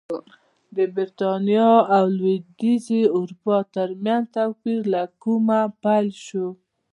د برېټانیا او لوېدیځې اروپا ترمنځ توپیر له کومه پیل شو